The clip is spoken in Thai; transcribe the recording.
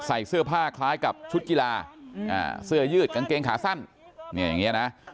ใส่เสื้อผ้าคล้ายกับชุดกีฬาเสื้อยืดกางเกงขาสั้นเนี่ยอย่างนี้นะ